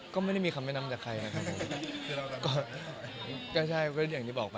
ก็ไม่ได้มีคำแนะนำจากใครนะครับผม